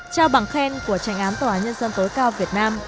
trao bằng khen của trành án tòa nhân dân tối cao việt nam